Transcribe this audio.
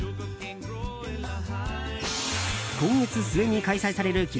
今月末に開催される